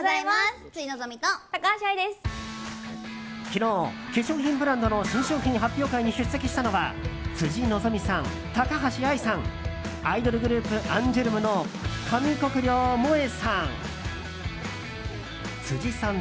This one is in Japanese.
昨日、化粧品ブランドの新商品発表会に出席したのは辻希美さん、高橋愛さんアイドルグループアンジュルムの上國料萌衣さん。